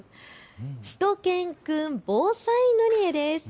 しゅと犬くん防災塗り絵です。